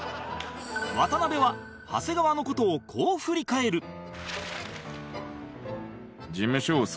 渡辺は長谷川の事をこう振り返る